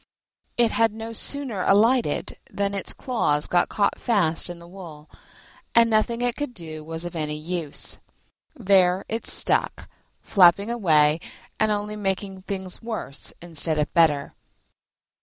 It had no sooner alighted than its claws got caught fast in the wool, and nothing it could do was of any use: there it stuck, flapping away, and only making things worse instead of better.